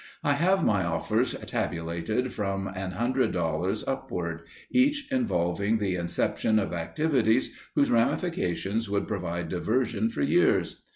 I have my offers tabulated from an hundred dollars upward, each involving the inception of activities whose ramifications would provide diversion for years.